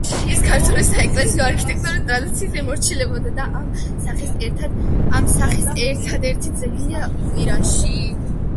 ის ქართული საეკლესიო არქიტექტურის ტრადიციებს ემორჩილება და ამ სახის ერთადერთი ძეგლია ირანში.